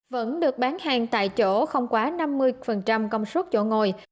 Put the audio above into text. vẫn được bán hàng tại chỗ không quá năm mươi công suất chỗ ngồi